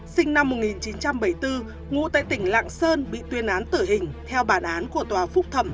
sinh năm một nghìn chín trăm bảy mươi bốn ngụ tại tỉnh lạng sơn bị tuyên án tử hình theo bản án của tòa phúc thẩm